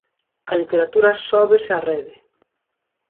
A literatura sóbese á Rede.